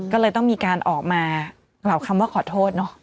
ก็เลยต้องมีการออกมากล่าวคำว่าขอโทษเนอะ